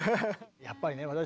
やっぱりね